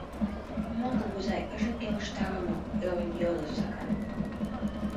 — Мо, кугызай, ыжым келыштаре мо? ӧрын йодо Сакар.